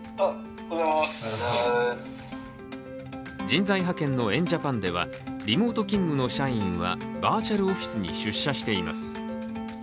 人材派遣のエン・ジャパンでは、リモート勤務の社員はバーチャルオフィスに出社しています。